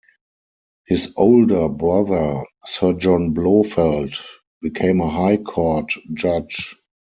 His older brother, Sir John Blofeld, became a High Court judge.